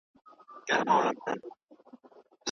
هغه د مرګ سوداګر بلل کېږي.